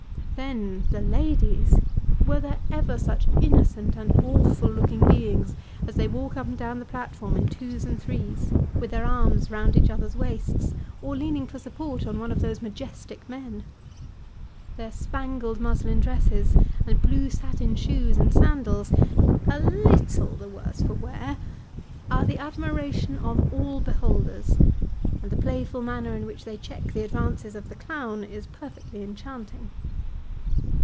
Then, the ladies were there ever such innocent and awful looking beings ; as they walk up and down the platform in twos and threes, with their arms round each other's waists, or leaning for support on one of those majestic men ? Their spangled muslin dresses and blue satin shoes and sandals (a leetle the worse for wear) are the admiration of all beholders ; and the playful manner in which they check the advances of the clown, is perfectly enchanting.